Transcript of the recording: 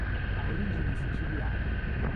Ha origini siciliane.